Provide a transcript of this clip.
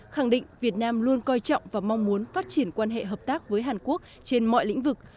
khẳng định việt nam luôn coi trọng và mong muốn phát triển quan hệ hợp tác với hàn quốc trên mọi lĩnh vực